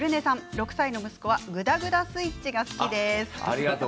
６歳の息子は「ぐだぐだスイッチ」が好きです。